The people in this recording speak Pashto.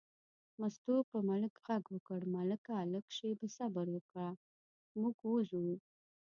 مستو په ملک غږ وکړ: ملکه لږه شېبه صبر وکړه، موږ وځو.